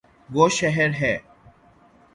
وہ شہر ہے